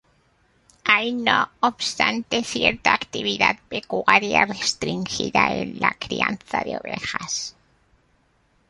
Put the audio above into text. Hay no obstante cierta actividad pecuaria restringida a la crianza de ovejas.